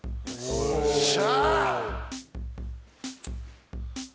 よっしゃ！